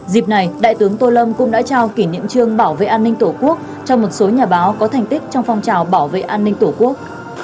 dịp này đại tướng tô lâm cũng đã trao kỷ niệm trương bảo vệ an ninh tổ quốc cho một số nhà báo có thành tích trong phong trào bảo vệ an ninh tổ quốc